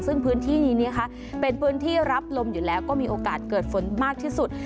ซึ่งพื้นที่นี้นะคะเป็นพื้นที่รับลมอยู่แล้วก็มีโอกาสเกิดฝนมากที่สุด